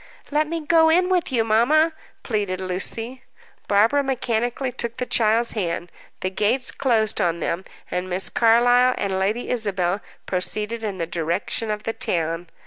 "Let me go in with you, mamma!" pleaded Lucy. Barbara mechanically took the child's hand. The gates closed on them, and Miss Carlyle and Lady Isabel proceeded in the direction of the town.